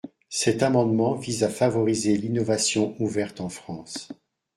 Cet amendement vise à favoriser l’innovation ouverte en France.